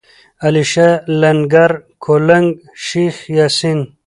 علیشه، لنگر، کولک، شیخ یاسین.